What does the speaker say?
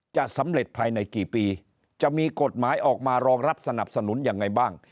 จะสำเร็จภายในกี่ปีจะมีกฎหมายออกมารองรับสนับสนุนยังไงบ้าง